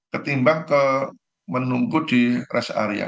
ketimbang menunggu di rest area